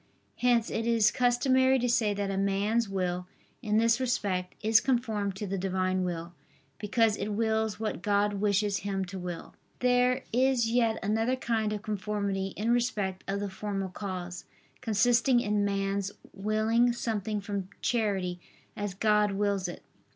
Hence it is customary to say that a man's will, in this respect, is conformed to the Divine will, because it wills what God wishes him to will. There is yet another kind of conformity in respect of the formal cause, consisting in man's willing something from charity, as God wills it.